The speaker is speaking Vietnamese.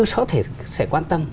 có thể sẽ quan tâm